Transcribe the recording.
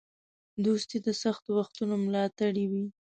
دوستي د سختو وختونو ملاتړی وي.